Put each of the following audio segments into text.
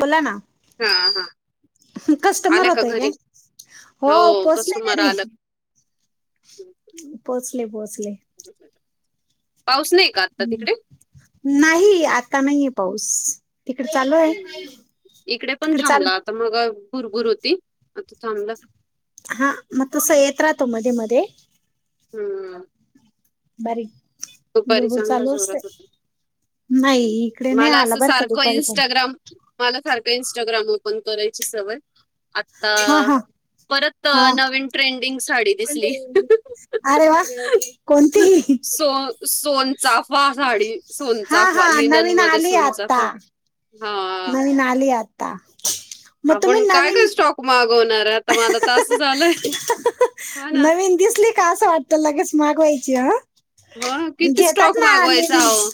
बोलना हा हा कस्टमर आल्या का होतय घरी काय हो पोहचले कस्टमर घरी, आलं पोहोचले पोहोचले पाऊस नाही का आत्ता तिकडे. नाही आता नाहीये पाऊस तिकड चाललोय ह् इकडे पण थांबला आता मग भुरभुर होती आता थांबला हा मग तसं येत राहतो मध्ये मध्ये हम्म बारीक दुपारी भूरभूर चांगला चालू असते. जोरात होता नाही इकडे नाही मला आला असं बरं का सारखं दुपारी पण, इंस्टाग्राम मला सारखं इन्स्टाग्राम ओपन करायची सवय आता हा हा परत हा नवीन ट्रेंडिंग सा- दिसली अरे वा कोणती [unintelligible] सोन चाफवा साडी हा सोनचाफवा हा लिनन नवीन मध्ये आली आता सोनचाफा हा नवीन आली आता मग तुम्ही नवीन खू मागवणार आहे आता मला तास झालंय हो ना नवीन दिसली का असं वाटत लगेच मागवायची ह हो ना. किती घेतात स्टॉक ना मागवायचा अहो.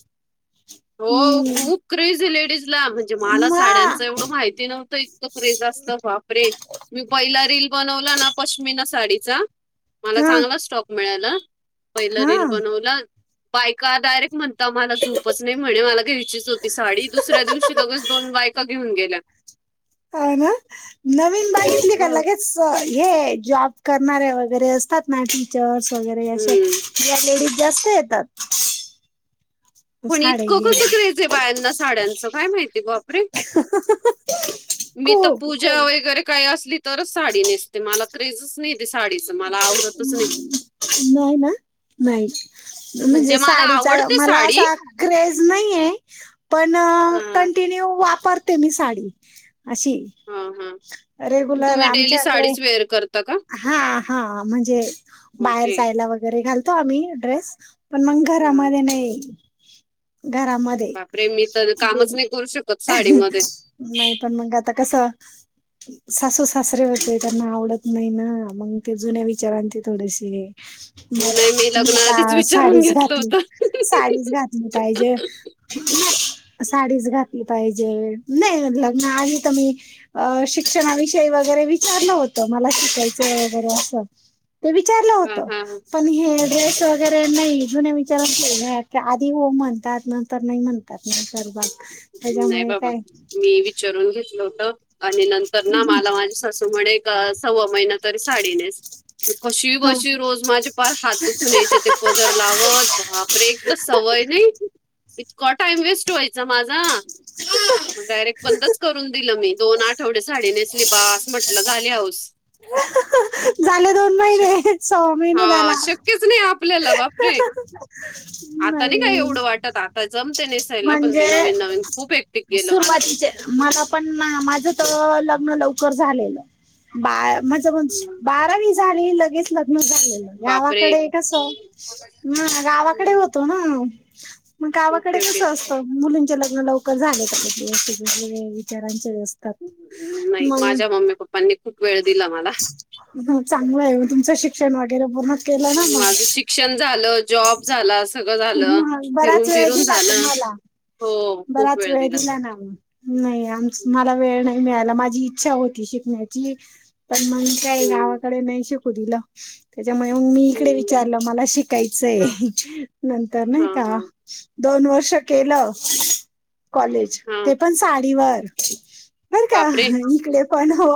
हो हम्म खूप क्रेज आहे लेडीजला म्हणजे मला साड्यांच हा एवढं माहिती नव्हतं. ्रे जास्त वापरेल मी पहिला रील बनवला ना पश्मीिना साडीचा मला चांगला हा स्टॉक मिळाला पहिलं रीलील बनवला बायका डायरेक्ट म्हणता मला झूपच नाही म्हणे मला घ्यायचीच होती साडी दुसऱ्या दिवशी लगच दोन बायक घेऊन गेला. हाय ना नवीन बाईच निघा हं. लगेच हे जॉब करणारे वगैरे असतात ना टीचर्स वगैरे असे हं. लेडीज जास्त येतात पण साडे इतकं घे कसं क्रेज आहे बायांना साड्यांचं काय माहिती आहे बापरे ह मी तर पूजा वगैरे काही असली तरच साडी नेसते मला क्रेजच नाही ते साडीचं मला आवडतच नाही नाहीय ना नाहीयची म्हणजे मला साडीचा आवडते मला साडी असा क्रॅझे नाही आहे पण हा कंटिन्यू वापर ते मी साडी अशी हा हा रेगुलर आमच्याकडे ेअर करता का हा हा म्हणजे बाहेर ओके जायला वगैरे घालतो आम्ही ड्रेस पण मग हा घरामध्ये नाही घरामध्ये बापरे मी तर कामच नाही करू शकत साडीमध्ये नाही पण मग आता कस सासू सासरे होते त्यांना आवडत नाही ना मग ते जुन्या हं. विचारां ते थोडेसे नाही मग मी लग्न का आधीच विचारून साडीच घेतलं घातली होतं साडीच घातली पाहिजे साडीच घातली पाहिजे नाही लग्न आध तर मी अ शिक्षणाविषयी वगैरे विचारलं होतं मला शिकायचं वगरे असं ते विचारलं हा होत हा हा पण हे ड्रेस वगैरे नाही जु विचार के आधी हो म्हणतात नंतर नाही म्हणत त्यात सर्भात नाही बाबा मी विचारून घेतलं होत आणि नंतर ना मला हा माझी सासू म्हणे सव्वा महिना तरी साडीनेस कशी बशी रोज माझे पार हात दुखून यायचे ते पदर लावत बापरे तर सवय नाही इतका टाइम वेस्ट व्हायचा माझा मग डायरेक्ट बंदच करून दिलं मी दोन आठवडे साडी नेसली पा असं म्हटलं झाली हास झाले दोन महिने स महिने झाला कसने आपल्याला वापरे म जमते पण ते म्हणजे नवीन नवीन खूप एकटिक गेलं मला सुरुवातीचे मला पण माझ तर लग्न लवकर झालेलं बा माझंण हम्म. बारावी झाली लगेच लग्न झालं बापरे! गावाकडे कस ना गावाकडे हम्म. होतो ना मग गावाकडे ओके, कस ओके. असतं मुलींचे लग्न लवकर झालेगळे विचारांचेत मग पण खूप वेळ दिला मला ह चांगलं आहे तुमचं शिक्षण वगैरे पूर्ण केलं ना मग शिकण झालं जॉब झाला स झालं मग बराच फिरून वेळ फिरून दिला झालं तुम्हाला हो खूप वेळ दिला ना नाही आम मला वेळ नाही मिळाला माझी इच्छा होती शिकण्याची पण मग काय हं, गावाकडे नाही श कु दिलं त्याच्यामुळे मी इकडे हं. विचारलं मला शिकायचंय नंतर नाही हां, का हां. दोन वर्ष केलं कॉलेज हां. ते पण साडीवर बर का बापरे! नििकले पण हो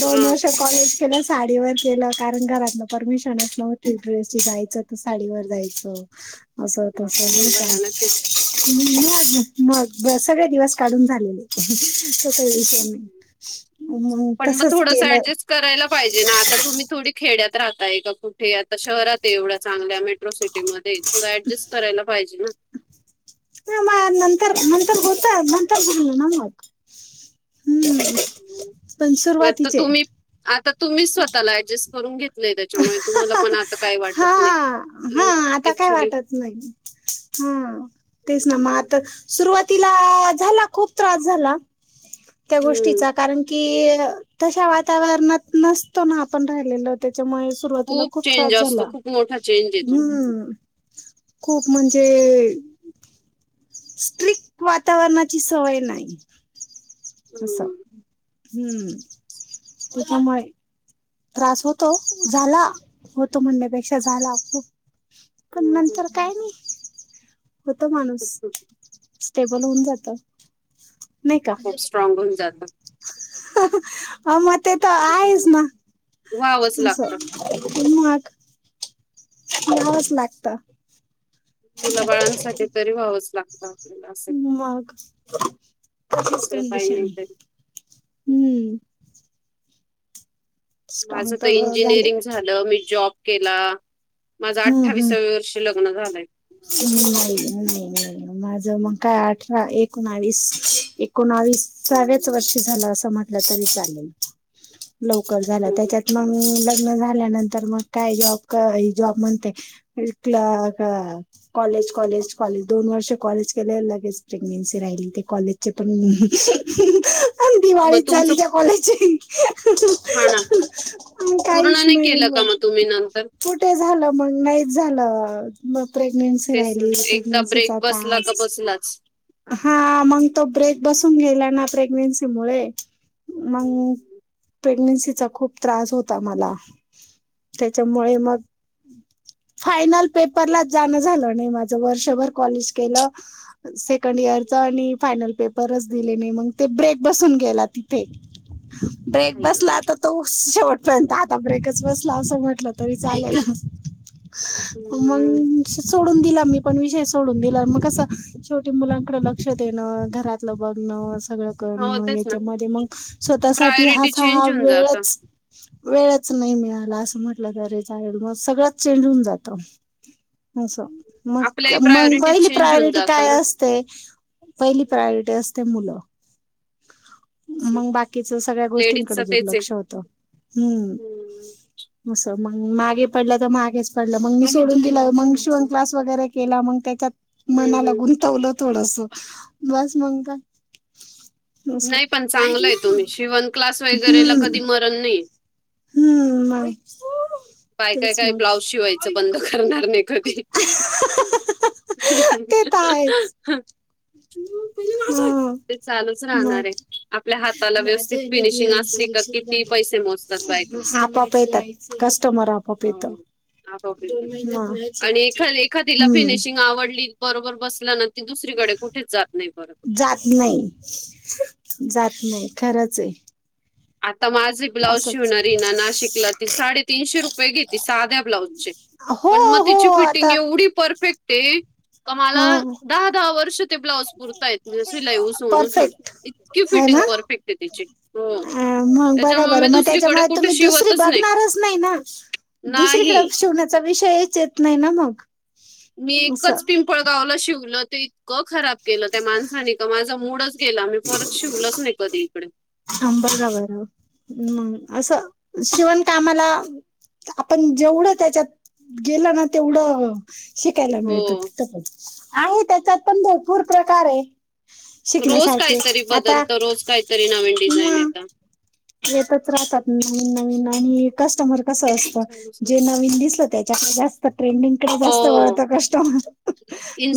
दोन हां. वर्ष कॉलेज केलं साडीवरच गलं कारण घरातन परमिशनच नव्हती ड्रेसची जायचं साडीवर जायचं असं तस बापरे! हो का भयानक आहे. मग मग सगळे दिवस काढून झालेले स विषयानी मग पण तसच थोडंसं केलं ॲडजस्ट करायला पाहिजे ना. आता तुम्ही थोडी खेड्यात राहताय का कुठे आता शहरात आहे एवढ्या चांगल्या मेट्रो सिटीमध्ये थं ऍडजस्ट करायला पाहिजे ना न म नंतर नंतर गोता नंतर बोलल नम मत हम्म ना. पण सुरुवातीचे तुम्ही आता तुम्ही स्वतःला ऍडजस्ट करून घेत त्याच्यामुळे तुम्हाला पण आता काही हा वाटत हा नाही आता काय ऍक्च्युली वाटत नाही हा तेच ना मग आता सुरुवातीला झाला खूप त्रास झाला त्या गोष्टीचा कारण की तशा वातावरणात नसतो ना आपण राहिलेलो त्याच्यामुळे सुरुवातीला खूप चेंज त्रास असतो झाला. खूप मोठा चेंज येतो हम्म. खूप म्हणजे स्ट्रिक वातावरणाची सवय नाही [inaudible] असं. हम्म. हम्म. त्याच्या मुळे त्रास होतो झाला होतो म्हणण्यापेक्षा झाला. पण हम्म. नंतर काय नाही होतो माणूस हम्म. स्टेबल होऊन जात. [inaudible] नाही का? स्ट्रॉग होऊन जातं. अ म ते त आहेस ना. व्हावंच असं लागतं ते मग यावच लाग मुलाबाळांसाठी तरी व्हावंच लागतं आपल्याला. असं मग तशीच दुसरं काही कंडिशन नाही तरी आहे हम्म. स्ट्रॉंग माझं तर झाले इंजिनिअरिंग झालं. मी जॉब केला माझ अठ्ठावीसाव्या वर्षी लग्न झालंय. ह नाही, नाही, अता नाही. माझ मग काय अठरा, एकोनावीस, एकोनावी वीसाव्याच हम्म. वर्षी झालं असंत म [unintelligible] तरी चालेल. [unintelligible] लवकर झालं हम्म. त्याच्यात मग लग्न झाल्यानंतर मग काय जॉब क जॉब म्हणते इथंला का? कॉलेज, कॉलेज, कॉलेज दोन वर्ष कॉलेज केले लगेच प्रेग्नेन्सी राहिली ते कॉलेज आमचे पण पण मग दिवाळीच तुमचं झाली त्या कॉलेजची [inaudible] हा ना अ पूर्ण काहीच नाही केलं का मग तुम्ही नंतर कुठे झालं मग नाहीच झालं म प्रेग्नेन्सी तेच ना राहिली एकदा प्रेग्नेन्सीचा ब्रेक बसला का तास बसलाच हा मग तो ब्रेक बसून गेला ना प्रेग्नेन्सी मुळे. हम्म. मंग प्रेग्नेन्सीचा खूप त्रास होता मला. त्याच्यामुळे मग फायनल पेपरात जाण झालं नाही माझं वर्षभर कॉलेज केलं. सेकंड इयरचा आणि फायनल पेपरच दिले नाही मग ते ब्रेक बसून गेला तिथे. आई ब्रेकफास्ट ला गं. आता तो शेवटपर्यंत आता ब्रेकच बसला असं म्हटलं तरी चालेल. मग हम्म. सोडून दिला. मी पण विषय सोडून दिला मग कस छोटी मुलांकड लक्ष देणं घरातलं बघणं सगळं हो करण तेच ना याच्यामध्ये मग स्वतः साठी प्रायोरिटी असा हा चेंज होऊन जात वेळच वेळच नाही मिळाला असं म्हटलं तरी चालेल मग सगळंच चेंज होऊन जात. अस मग आपल्याही मग प्रायोरिटी पहिली चेंज होऊन प्रायोरिटी जात काय ना अस ते पहिली प्रायोरिटी असते मुलं. मग बाकीच सगळ्या गोष्टींकडे लेडीजचं तेच आहे दुर्लक्ष होतं. हम्म, [inaudible] असं मग मागे पडलं तर मागेच पडलं मग मी सोडून दिलं मग. शिवण क्लास वगैरे केला म त्याच्यात हम्म, मनाला हम्म. गुंतवल. थोडस बस मग असं नाही पण चांगलंय तुम्ही शिवन क्लास वगैरेला हम्म कधी मरण नाहीये. हम्म, म बायका काय ब्लाऊज शिवायचं बंद करणार नाही कधी. ह [inaudible] [inaudible] म ते चालूच राहणार आहे. आपल्या हाताला माझा व्यवस्थित आहे ना फिनिशिंग ज असली का किती पैसे मोजतात बायका. सिलेक्शनला प येत कस्टमर आपप येतो हो. आणि एखाद एखादीला हम्म फिनिशिंग आवडली बरोबर बसल्या ना त दुसरीकडे कुठेच जात नाही परत जात नाही जात नाही खरंच आहे आता माझ ब्लाउज शिवन असंच रिना नाशिकला ती साडेतीीनशे रुपये घेतती साध्या ब्लाउऊज चे हो पण मग हो तिची फिटिंग आता एवढी परफेक्ट आहे का मला हा दहा दहा वर्ष ते ब्लाउज पुरता य सिलाई उसूनसून परफेक्ट इतकी आहे फिटिंग ना परफेक्ट आहे तिची हो अ मग बघा त्याच्यामुळे मी बरं मग दुसरीकडे त्याच्यामुळे कुठे तुम्ही दुसरी शिवतच नाही. बघणारच नाही ना दुसरीकडे नाही शिवण्याचा विषयच येत नाही ना मग मी असं एकच पिंपळ गावलं शिवलं ते इतकं खराब केलं त्या माणसाने का माझं मूडच गेलं आम्ही परत शिवलच नाही कधी इकडे आंबगा बरम असं शिवणकामाला आपण जेवढं त्याच्यात गेलं ना तेवढं शिकायला हो मिळत आहे त्याच्यात पण भरपूर प्रकार आहे रोज शिकण्यासारखे काहीतरी आता बदलत रोज काहीतरी नवीन डिझाईन मग येत येतच राहतात नवीन नवीन आणि कस्टमर कस अस जे नवीन दिसलं त्याच्याकडे जास्त ट्रेंडिंगकडे जास्त हो वळत कस्टमर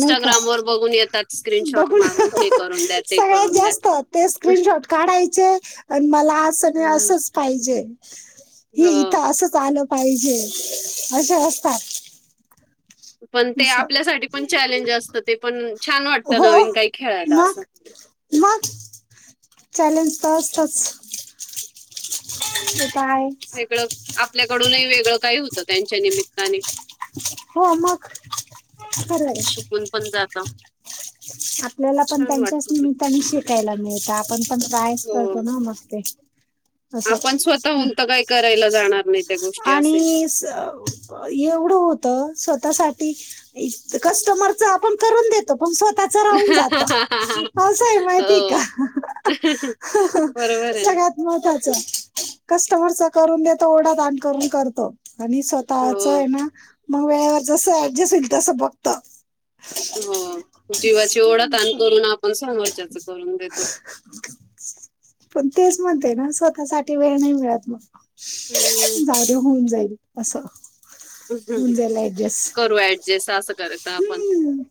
नाही का बघून येतात स्क्रीनशॉट बघड मारून हे करून द्या ते सगळ्यात करून द्या जास्त ते स्क्रीनशॉट काढायचे मला अस हं, असच पाहिजे हे हो इथं असंच आलं पाहिजे असे असतात पण ते अस आपल्यासाठी पण चॅलेंज असतं ते पण छान वाटतं हो नवीन काही खेळायला असं मग मग चॅलेंज तर असतच ते तर आहे वेगळं आपल्याकडूनही वेगळं काही होत त्यांच्या निमित्ताने हो आ मग खरं आहे शिकून पण जात आपल्याला पण त्यांच्याच ते निमित्ताने शिकायला मिळत पण पण प्रायस हो करतो ना मस्त आपण असं स्वतःहून तर काही करायला जाणार नाही त्या गोष्टी आणि असे एवढं होतं स्वतःसाठी कस्टमरच आपण करून देतो पण स्वतः राहून जात असंय माहिती का हो ह बरोबर आहे ना सग्यात महत्वाचं कस्टमरचा करून देतो ओढा ताण करून करतो आणि स्वतः तवाच हो आहे ना मग वेळेवर जस अऍडजस्ट होईल तस बघत हो जीवाची ओढ तण करून आपण समोरच्याच करून देतो पण तेच म्हणते ना स्वतःसाठी वेळ नाही मिळत मला हम्म. झाले होऊन जाईल असं होऊन जाईल ऍडजस्ट जेस असं करय आपण हम्म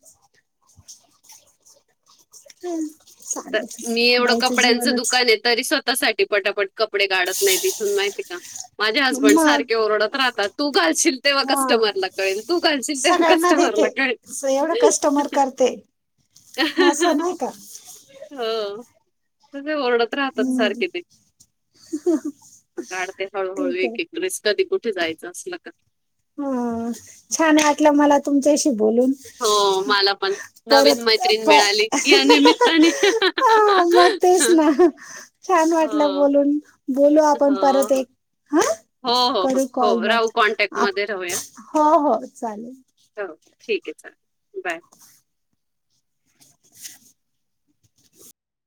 हम्म तर मी एवढं कपड्यांचं दुकान आहे तरी स्वतःसाठी पटापट कपडे काढत नाही तिथून माहितीय का माझे हसबंड सारखे मग ओरडत राहतात तू घालशील तेव्हा हा कस्टमरला कळेल तू घालशील तेव्हा कस्टमरला क एवढा कस्टमर करते असं नाही का हा र्ड [inaudible] राहतात हम्म सारखे ते, काढते हळूहळू ठीक आहे एके! रिस कधी कुठे जायचं असलं का हा छान वाटलं मला तुमच्याशी बोलून! हो मला पण नवीन परत मैत्रीण मिळाली परत या निमित्ताने. हा मग तेच ना छान वाटलं हो बोलून बोलू हो आपण परत एक हा हो हो हो करू कॉल हो राहू कॉन्टॅक्ट मग मध्ये राहूया हो हो चालेल. हो ठीक आहे चालेल बाय.